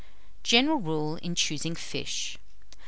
_ GENERAL RULE IN CHOOSING FISH.